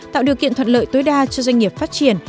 tạo điều kiện thuận lợi tối đa cho doanh nghiệp phát triển